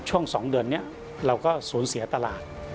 ช่วง๒เดือนนี้เราก็สูญเสียตลาด